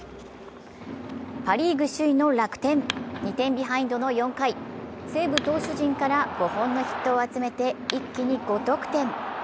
パ・リーグ首位の楽天、２点ビハインドの４回、西武投手陣から５本のヒットを集めて一挙に５得点。